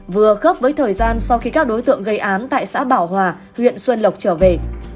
vừa khớp với thời gian sau khi các đối tượng gây án tại xã bảo hòa huyện xuân lộc trở về